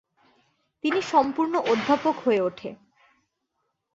তিনি সম্পূর্ণ অধ্যাপক হয়ে ওঠে।